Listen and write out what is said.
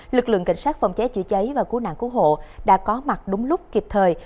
lực lượng cảnh sát phòng cháy chữa cháy và cứu nạn cứu hộ đã có mặt đúng lúc kịp thời